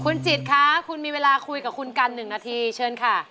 คุณจิตคะคุณมีเวลาคุยกับคุณกัน๑นาทีเชิญค่ะ